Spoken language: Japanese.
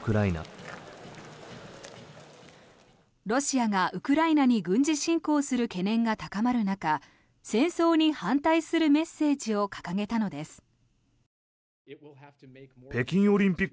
ロシアがウクライナに軍事侵攻する懸念が高まる中戦争に反対するメッセージを掲げたのです。